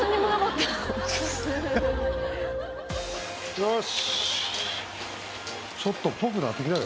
よし。